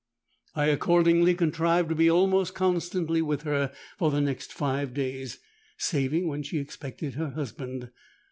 I accordingly contrived to be almost constantly with her for the next five days, saving when she expected her husband.